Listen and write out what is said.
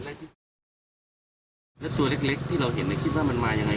แล้วตัวเล็กที่เราเห็นในคิดว่ามันมายังไง